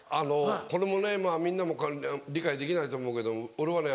これもねまぁみんなも理解できないと思うけど俺はね